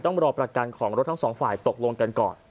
ต้องรอประกันของรถทั้งสองฝ่ายตกลงกันก่อน